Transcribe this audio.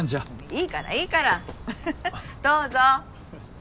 いいからいいからどうぞ。